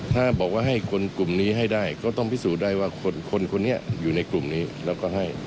ถ้าบอกว่าให้คนกลุ่มนี้ให้ได้ก็ต้องพิสูจน์ได้ว่าคนคนนี้อยู่ในกลุ่มนี้แล้วก็ให้